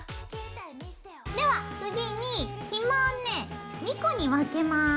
では次にひもをね２個に分けます。